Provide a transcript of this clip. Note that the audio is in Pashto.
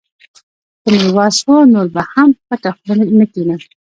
که مې وس و، نور به هم پټه خوله نه کښېنم.